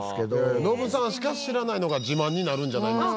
ノブさんしか知らないのが自慢になるんじゃないですか？